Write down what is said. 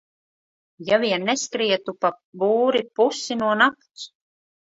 Ja vien neskrietu pa būri pusi no nakts...